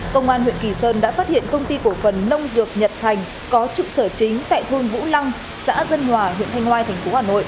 công an huyện kỳ sơn đã phát hiện công ty cổ phần nông dược nhật thành có trụ sở chính tại thôn vũ lăng xã dân hòa huyện thanh ngoai tp hà nội